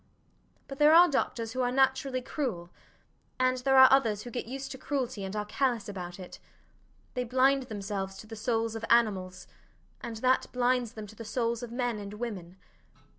But there are doctors who are naturally cruel; and there are others who get used to cruelty and are callous about it. They blind themselves to the souls of animals; and that blinds them to the souls of men and women.